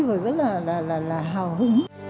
và rất là hào hứng